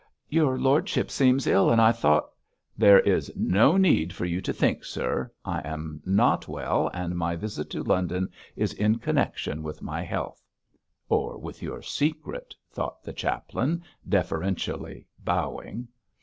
'Your lordship seems ill, and I thought ' 'There is no need for you to think, sir. I am not well, and my visit to London is in connection with my health.' 'Or with your secret!' thought the chaplain, deferentially bowing.